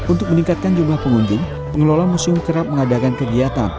untuk meningkatkan jumlah pengunjung pengelola museum kerap mengadakan kegiatan